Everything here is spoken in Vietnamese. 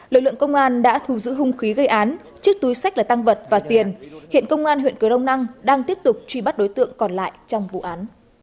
lực lượng công an đã thu giữ hung khí gây án chiếc túi sách là tăng vật và tiền hiện công an huyện cờ rông năng đang tiếp tục truy bắt đối tượng còn lại trong vụ án